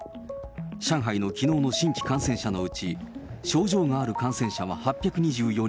上海のきのうの新規感染者のうち、症状がある感染者は８２４人。